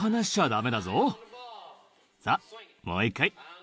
さあもう１回。